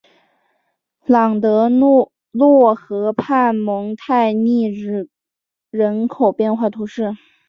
朗德洛河畔蒙泰涅人口变化图示